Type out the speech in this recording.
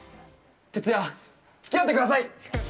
徹夜つきあってください！